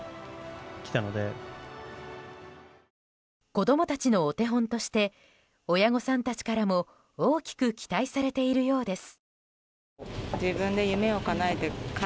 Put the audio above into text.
子供たちのお手本として親御さんたちからも大きく期待されているようです。